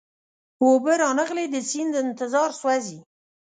اوبه را نغلې د سیند انتظار سوزی